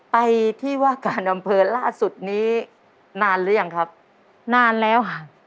ไปที่ว่าการอำเภอล่าสุดนี้นานหรือยังครับนานแล้วค่ะ